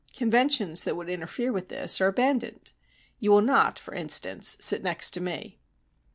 Conventions that would interfere with this are abandoned. You will not, for instance, sit next to me."